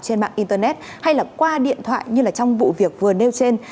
trên mạng internet hay qua điện thoại như trong vụ việc vừa nêu trên